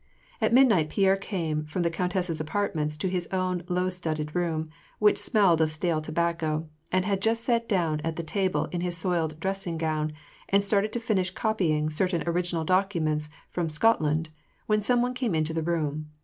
At midnight, Pierre came from the countess's apartments to his own low studded room, which smelled of stale tobacco, and had just sat down at the table in his soiled dressing gown, and started to finish copying certain original documents from Scot land, when some one came into the room.